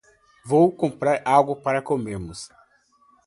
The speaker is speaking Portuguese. Vou comprar algo para comermos.